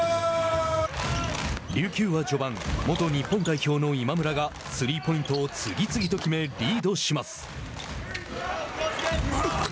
琉球は序盤元日本代表の今村がスリーポイントを次々と決めリードします。